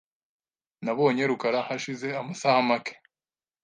Nabonye rukara hashize amasaha make .